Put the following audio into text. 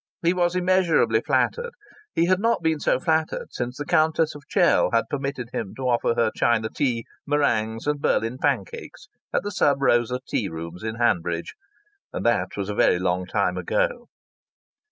He was immeasurably flattered. He had not been so flattered since the Countess of Chell had permitted him to offer her China tea, meringues, and Berlin pancakes at the Sub Rosa tea rooms in Hanbridge and that was a very long time ago.